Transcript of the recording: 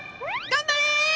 頑張れ！